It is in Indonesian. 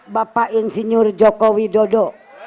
bapak insinyur jokowi dodo